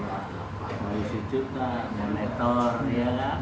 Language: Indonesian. di situ juga ada meter ya kan